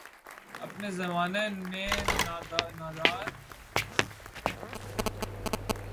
۔ اپنے زمانہ میں نادرالوجود اور بلند مرتبہ بزرگ تھے